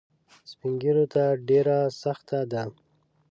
سپین ږیرو ته ډېره سخته ده.